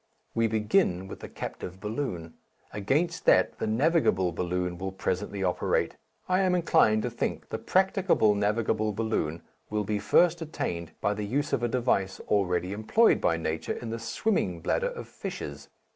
We begin with the captive balloon. Against that the navigable balloon will presently operate. I am inclined to think the practicable navigable balloon will be first attained by the use of a device already employed by Nature in the swimming bladder of fishes.